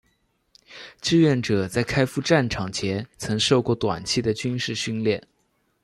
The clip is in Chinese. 志愿者在开赴战场前曾受过短期军事训练。